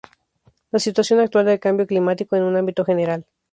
La situación actual del Cambio Climático en un ámbito general